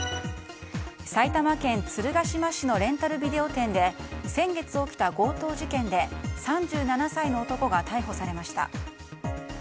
埼玉県鶴ヶ島市のレンタルビデオ店で先月起きた強盗事件で３７歳の男が逮捕されました。